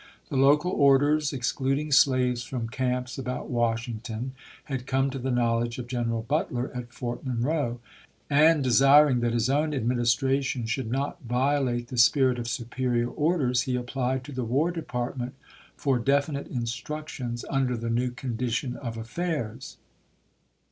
The local orders, excluding slaves from camps about Washington, had come to the knowledge of General Butler at Fort Monroe ; and desiring that his own administration should not violate the spirit of superior orders, he applied to the War Department for definite instructions under the new condition of afi'airs.